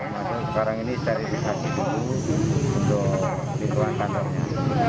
masuk sekarang ini saya isi kasih dulu untuk pintuan kantornya